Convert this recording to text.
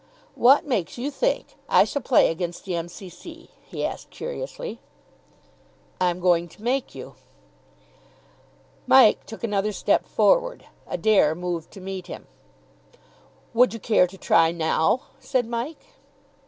"What makes you think I shall play against the M.C.C.?" he asked curiously. "I'm going to make you." Mike took another step forward. Adair moved to meet him. "Would you care to try now?" said Mike.